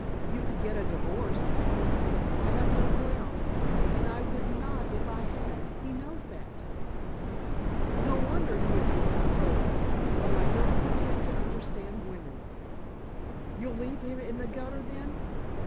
"You could get a divorce." "I have no ground. And I would not if I had. He knows that." "No wonder he is without hope! But I don't pretend to understand women. You'll leave him in the gutter then?"